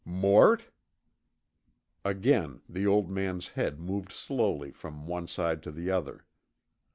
"Mort?" Again the old man's head moved slowly from one side to the other.